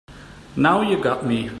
Now you got me.